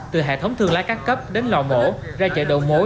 từ hệ thống thương lái các cấp đến lò mổ ra chợ đầu mối